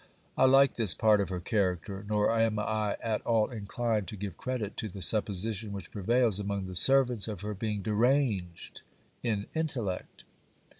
I like this part of her character, nor am I at all inclined to give credit to the supposition which prevails among the servants of her being deranged in intellect.